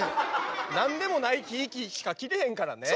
何でもない木しか切れへんからね。